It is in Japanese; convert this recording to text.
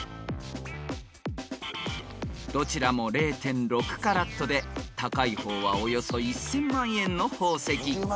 ［どちらも０．６カラットで高い方はおよそ１，０００万円の宝石］